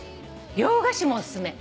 洋菓子もお薦め。